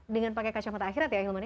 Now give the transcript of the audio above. dengan pakai kacamata akhirat ya ahilman